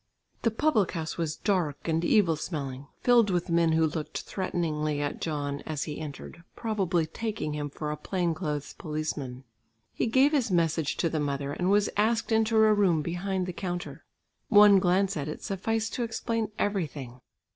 The public house was dark and evil smelling, filled with men who looked threateningly at John as he entered probably taking him for a plain clothes policeman. He gave his message to the mother and was asked into a room behind the counter. One glance at it sufficed to explain everything.